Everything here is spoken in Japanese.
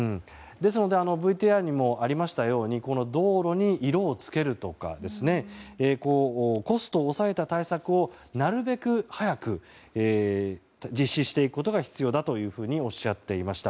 ですのでＶＴＲにもありましたようにこの道路に色を付けるとかコストを抑えた対策をなるべく早く実施していくことが必要だというふうにおっしゃっていました。